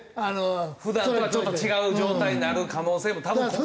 普段とはちょっと違う状態になる可能性も多分国際試合。